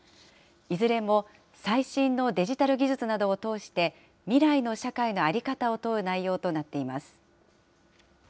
いずれも最新のデジタル技術などを通して、未来の社会の在り方を問う内容となっています。